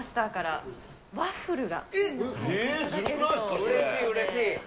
うれしいうれしい。